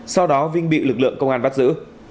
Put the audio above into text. sau đó vinh bị lực lượng công an bắt giữ